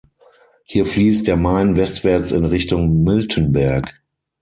Hier fließt der Main westwärts in Richtung Miltenberg.